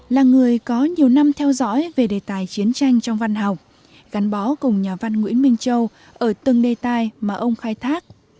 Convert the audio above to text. là người có nhiều năm theo dõi về đề tài chiến tranh trong văn học gắn bó cùng nhà văn nguyễn minh châu ở từng đề tài mà ông khai thác